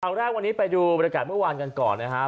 เอาแรกวันนี้ไปดูบรรยากาศเมื่อวานกันก่อนนะครับ